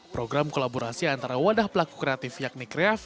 program kolaborasi antara wadah pelaku kreatif yakni creaf